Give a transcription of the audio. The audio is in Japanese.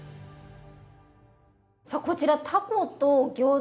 さあこちらタコとギョーザ。